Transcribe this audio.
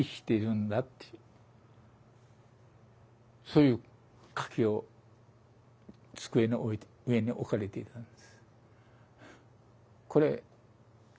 そういう書きを机の上に置かれていたんです。